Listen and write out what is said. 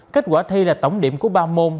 kết quả thi là tổng điểm của ba môn